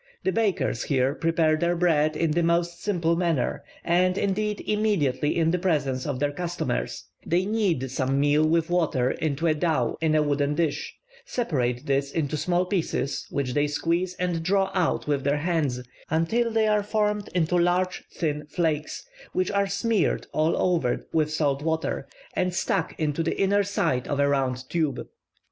The bakers here prepare their bread in the most simple manner, and, indeed, immediately in the presence of their customers: they knead some meal with water into a dough, in a wooden dish, separate this into small pieces, which they squeeze and draw out with their hands, until they are formed into large thin flakes, which are smeared over with salt water, and stuck into the inner side of a round tube.